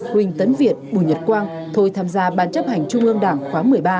huỳnh tấn việt bùi nhật quang thôi tham gia ban chấp hành trung ương đảng khóa một mươi ba